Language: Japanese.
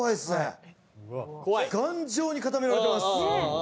頑丈に固められてます。